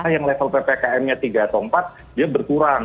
yang level ppkmnya tiga atau empat dia berkurang